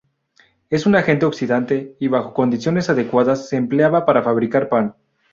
Es un agente oxidante, y bajo condiciones adecuadas, se empleaba para fabricar pan.